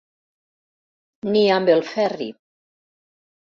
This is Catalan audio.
Ni amb el Ferri.